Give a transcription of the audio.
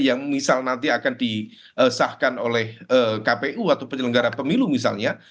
yang misal nanti akan disahkan oleh kpu atau penyelenggara pemilu misalnya